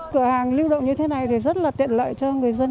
cửa hàng lưu động như thế này thì rất là tiện lợi cho người dân